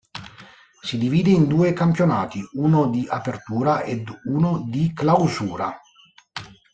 Si divide in due campionati, uno di Apertura ed uno di Clausura.